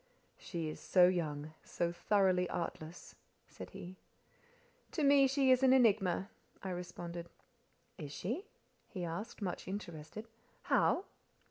"She is so young, so thoroughly artless," said he. "To me she is an enigma," I responded. "Is she?" he asked—much interested. "How?"